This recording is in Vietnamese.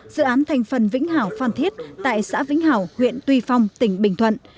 dự án thành phần vĩnh hảo phan thiết tại xã vĩnh hảo huyện tuy phong tỉnh bình thuận